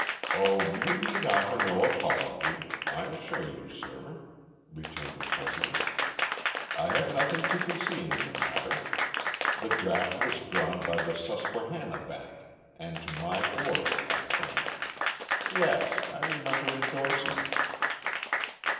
"O you need offer no apology, I assure you, sir," returned the president. "I have nothing to conceal in the matter. The draft was drawn by the Susquehanna Bank, and to my order, I think. Yes, I remember indorsing it."